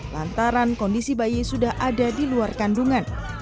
lantaran kondisi bayi sudah ada di luar kandungan